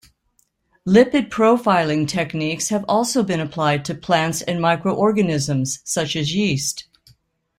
Lipid profiling techniques have also been applied to plants and microorganisms such as yeast.